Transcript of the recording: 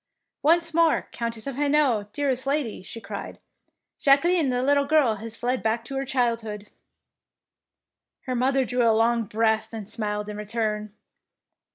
" Once more Countess of Hainault, dearest lady,^^ she cried, "Jacqueline the little girl has fled back to her child hood.^' Her mother drew a long breath and smiled in return.